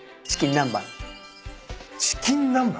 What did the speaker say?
チキン南蛮。